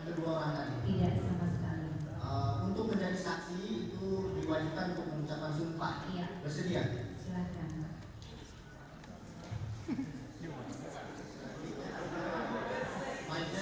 tidak sama sekali untuk menjadi saksi itu diwajibkan untuk mengucapkan sumpah bersedia